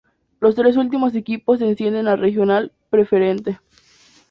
Los tres últimos equipos descienden a Regional Preferente.